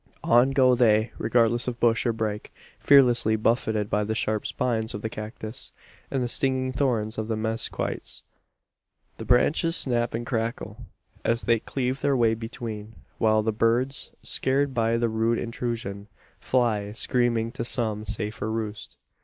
On go they, regardless of bush or brake fearlessly, buffeted by the sharp spines of the cactus, and the stinging thorns of the mezquites. The branches snap and crackle, as they cleave their way between; while the birds, scared by the rude intrusion, fly screaming to some safer roost.